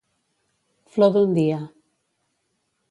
Flor d'un dia.